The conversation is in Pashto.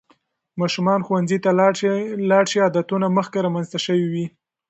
ماشومان ښوونځي ته لاړ شي، عادتونه مخکې رامنځته شوي وي.